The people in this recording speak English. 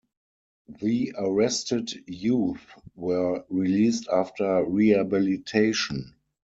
The arrested youth were released after rehabilitation.